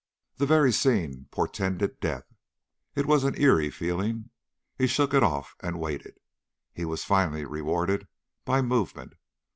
The very scene portended death. It was an eery feeling. He shook it off and waited. He was finally rewarded by movement.